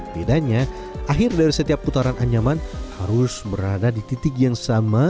bedanya akhir dari setiap putaran anyaman harus berada di titik yang sama